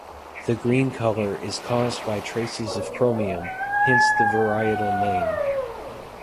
The green color is caused by traces of chromium, hence the varietal name.